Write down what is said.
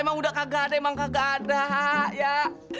mantap jadi manis